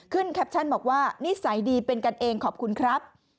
แคปชั่นบอกว่านิสัยดีเป็นกันเองขอบคุณครับ